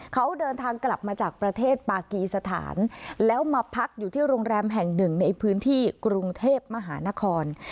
เขาเดินทางกลับมาจากประเทศปากีสถานแล้วมาพักอยู่ที่โรงแรมแห่งหนึ่งในพื้นที่กรุงเทพมหานคร